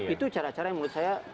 itu cara cara yang menurut saya